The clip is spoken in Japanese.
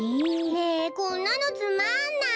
ねえこんなのつまんない。